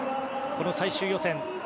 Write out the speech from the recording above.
最終予選